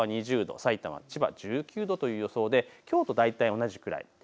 東京は２０度、さいたま、千葉１９度という予想できょうと大体同じくらい。